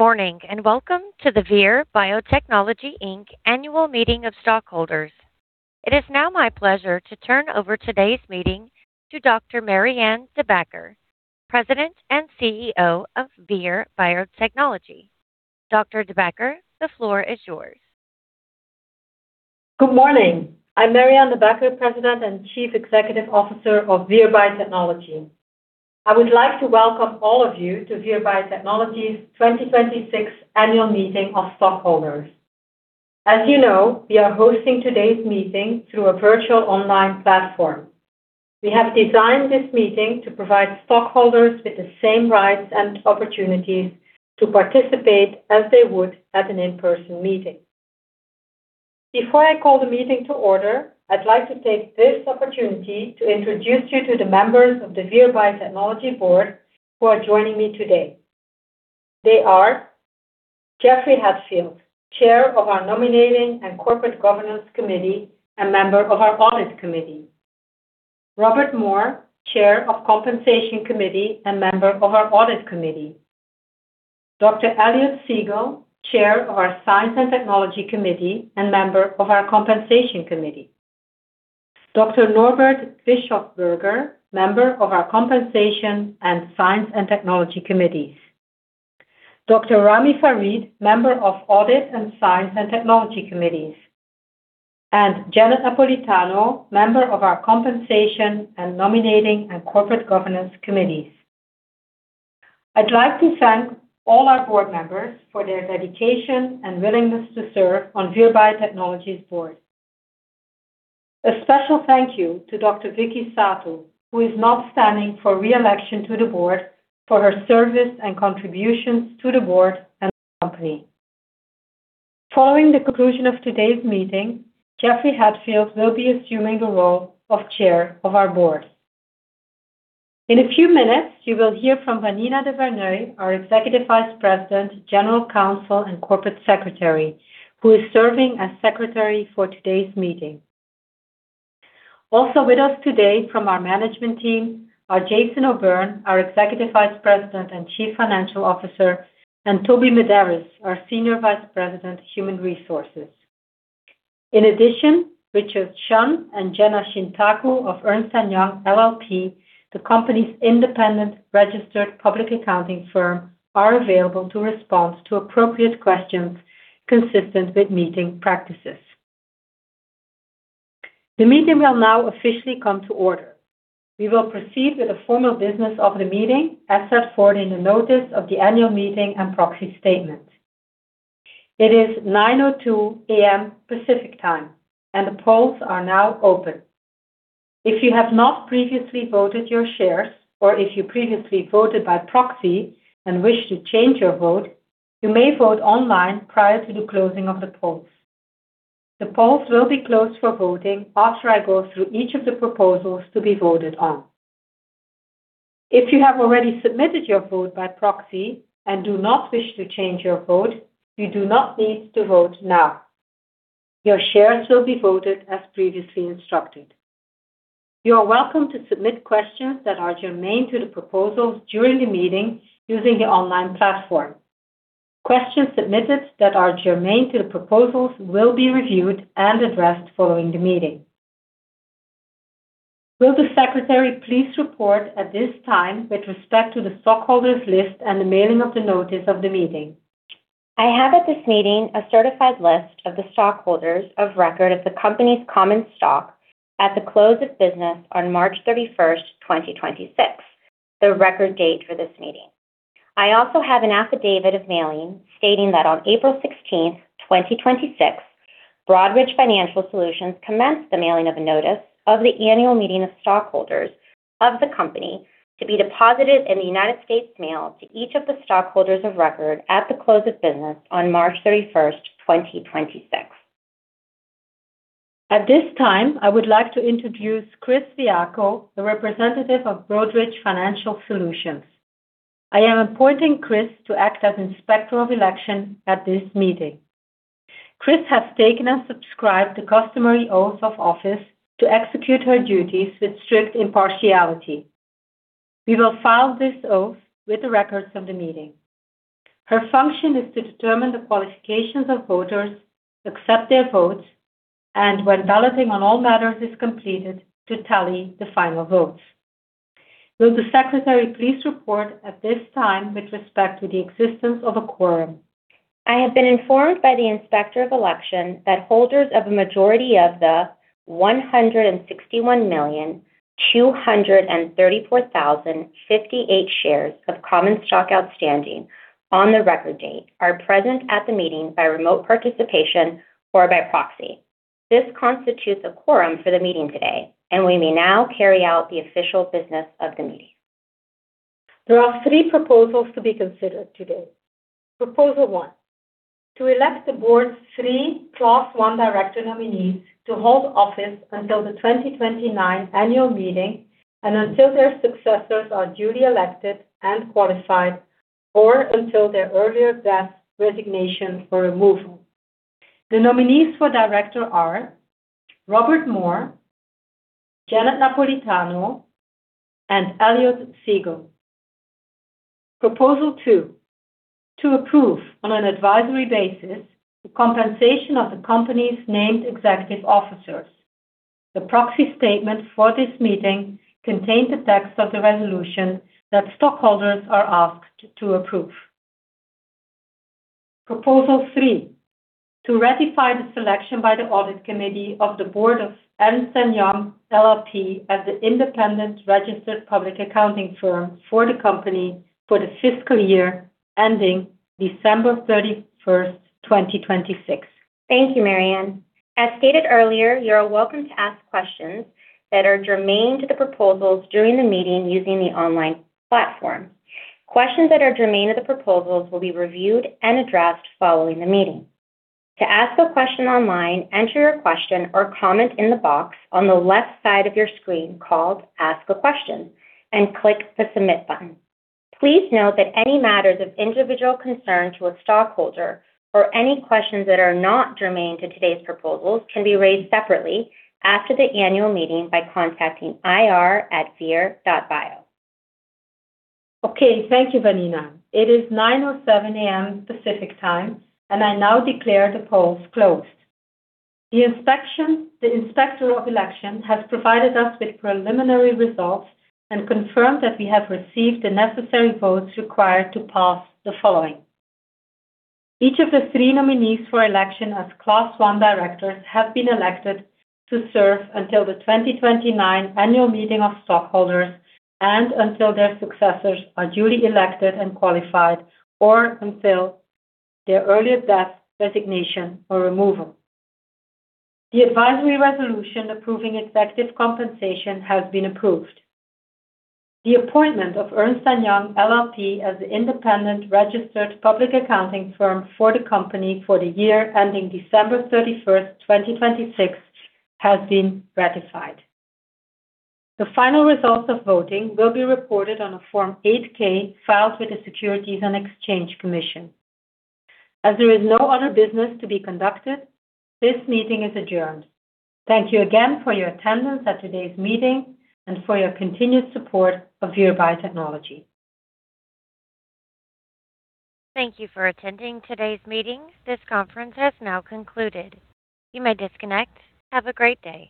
Good morning, and welcome to the Vir Biotechnology, Inc. Annual Meeting of Stockholders. It is now my pleasure to turn over today's meeting to Dr. Marianne De Backer, President and CEO of Vir Biotechnology. Dr. De Backer, the floor is yours. Good morning. I'm Marianne De Backer, President and Chief Executive Officer of Vir Biotechnology. I would like to welcome all of you to Vir Biotechnology's 2026 Annual Meeting of Stockholders. As you know, we are hosting today's meeting through a virtual online platform. We have designed this meeting to provide stockholders with the same rights and opportunities to participate as they would at an in-person meeting. Before I call the meeting to order, I'd like to take this opportunity to introduce you to the members of the Vir Biotechnology board who are joining me today. They are Jeffrey Hatfield, Chair of our Nominating and Corporate Governance Committee and Member of our Audit Committee, Robert More, Chair of Compensation Committee and Member of our Audit Committee, Dr. Elliott Sigal, Chair of our Science and Technology Committee and Member of our Compensation Committee, Dr. Norbert Bischofberger, Member of our Compensation and Science and Technology Committees, Dr. Ramy Farid, Member of Audit and Science and Technology Committees, and Janet Napolitano, Member of our Compensation and Nominating and Corporate Governance Committees. I'd like to thank all our Board Members for their dedication and willingness to serve on Vir Biotechnology's Board. A special thank you to Dr. Vicki Sato, who is not standing for re-election to the Board, for her service and contributions to the Board and the company. Following the conclusion of today's meeting, Jeffrey Hatfield will be assuming the role of Chair of our Board. In a few minutes, you will hear from Vanina de Verneuil, our Executive Vice President, General Counsel, and Corporate Secretary, who is serving as Secretary for today's meeting. Also with us today from our management team are Jason O'Byrne, our Executive Vice President and Chief Financial Officer, and Toby Medaris, our Senior Vice President, Human Resources. In addition, Richard Shunn and Jenna Shintaku of Ernst & Young LLP, the company's independent registered public accounting firm, are available to respond to appropriate questions consistent with meeting practices. The meeting will now officially come to order. We will proceed with the formal business of the meeting as set forth in the notice of the annual meeting and proxy statement. It is 9:02 A.M. Pacific Time, and the polls are now open. If you have not previously voted your shares or if you previously voted by proxy and wish to change your vote, you may vote online prior to the closing of the polls. The polls will be closed for voting after I go through each of the proposals to be voted on. If you have already submitted your vote by proxy and do not wish to change your vote, you do not need to vote now. Your shares will be voted as previously instructed. You are welcome to submit questions that are germane to the proposals during the meeting using the online platform. Questions submitted that are germane to the proposals will be reviewed and addressed following the meeting. Will the Secretary please report at this time with respect to the stockholders' list and the mailing of the notice of the meeting? I have at this meeting a certified list of the stockholders of record of the company's common stock at the close of business on March 31st, 2026, the record date for this meeting. I also have an affidavit of mailing stating that on April 16th, 2026, Broadridge Financial Solutions commenced the mailing of a notice of the Annual Meeting of Stockholders of the company to be deposited in the United States Mail to each of the stockholders of record at the close of business on March 31st, 2026. At this time, I would like to introduce [Kris Fiacco], the representative of Broadridge Financial Solutions. I am appointing [Kris] to act as Inspector of Election at this meeting. [Kris] has taken and subscribed the customary oaths of office to execute her duties with strict impartiality. We will file this oath with the records of the meeting. Her function is to determine the qualifications of voters, accept their votes, and when balloting on all matters is completed, to tally the final votes. Will the Secretary please report at this time with respect to the existence of a quorum. I have been informed by the Inspector of Election that holders of a majority of the 161,234,058 shares of common stock outstanding on the record date are present at the meeting by remote participation or by proxy. This constitutes a quorum for the meeting today. We may now carry out the official business of the meeting. There are three proposals to be considered today. Proposal one, to elect the board's three Class I Director nominees to hold office until the 2029 annual meeting and until their successors are duly elected and qualified, or until their earlier death, resignation, or removal. The nominees for Director are Robert More, Janet Napolitano, and Elliott Sigal. Proposal 2, to approve, on an advisory basis, the compensation of the company's named Executive Officers. The proxy statement for this meeting contains the text of the resolution that stockholders are asked to approve. Proposal 3, to ratify the selection by the Audit Committee of the Board of Ernst & Young LLP as the independent registered public accounting firm for the company for the fiscal year ending December 31st, 2026. Thank you, Marianne. As stated earlier, you are welcome to ask questions that are germane to the proposals during the meeting using the online platform. Questions that are germane to the proposals will be reviewed and addressed following the meeting. To ask a question online, enter your question or comment in the box on the left side of your screen called Ask a Question and click the Submit button. Please note that any matters of individual concerns to a stockholder or any questions that are not germane to today's proposals can be raised separately after the annual meeting by contacting ir@vir.bio. Okay. Thank you, Vanina. It is 9:07 A.M. Pacific Time, and I now declare the polls closed. The Inspector of Election has provided us with preliminary results and confirmed that we have received the necessary votes required to pass the following. Each of the three nominees for election as Class I Directors have been elected to serve until the 2029 Annual Meeting of Stockholders and until their successors are duly elected and qualified or until their earlier death, resignation, or removal. The advisory resolution approving executive compensation has been approved. The appointment of Ernst & Young LLP as the independent registered public accounting firm for the company for the year ending December 31st, 2026, has been ratified. The final results of voting will be reported on a Form 8-K filed with the Securities and Exchange Commission. As there is no other business to be conducted, this meeting is adjourned. Thank you again for your attendance at today's meeting and for your continued support of Vir Biotechnology. Thank you for attending today's meeting. This conference has now concluded. You may disconnect. Have a great day.